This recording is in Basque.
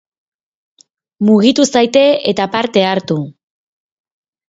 Mugitu zaite eta parte hartu!